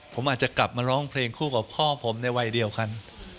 ผมอาจจะกลับมาร้องเพลงคู่กับพ่อผมในวัยเดียวกัน